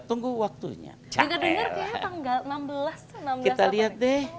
tunggu waktunya cak canggih tanggal enam belas enam kita liat deh iya oke supaya biar sukses persiapan itu perlu menunjukkan